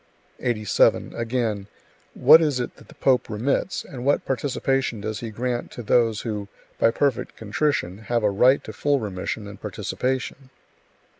87. Again: "What is it that the pope remits, and what participation does he grant to those who, by perfect contrition, have a right to full remission and participation?"